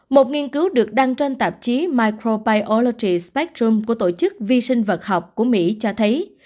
một nghiên cứu được đăng trên tạp chí microbiology spectrum của tổ chức vi sinh vật học của mỹ cho thấy